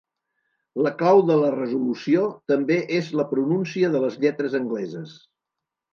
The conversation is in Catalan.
La clau de la resolució també és la pronúncia de les lletres angleses.